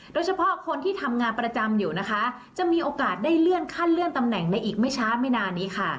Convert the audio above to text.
โดยเฉพาะคนที่ทำงานประจำอยู่นะคะจะมีโอกาสได้เลื่อนขั้นเลื่อนตำแหน่งในอีกไม่ช้าไม่นานนี้ค่ะ